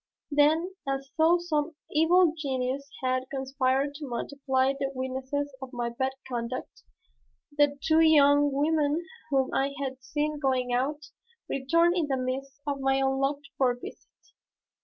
Then, as though some evil genius had conspired to multiply the witnesses of my bad conduct, the two young women whom I had seen going out, returned in the midst of my unlooked for visit.